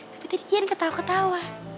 tapi tadi yan ketawa ketawa